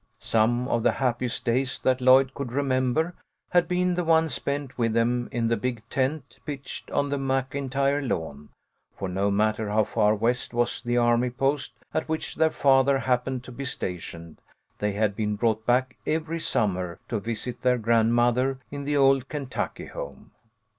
Some of the happiest days that Lloyd could remember had been the ones spent with them in the big tent pitched on the Maclntyre lawn ; for no matter how far west was the army post at which their father happened to be stationed, they had been brought back every sum mer to visit their grandmother in the old Kentucky home.